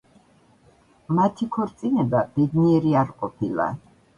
მათი ქორწინება ბედნიერი არ ყოფილა.